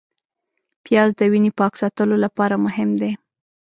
پیاز د وینې پاک ساتلو لپاره مهم دی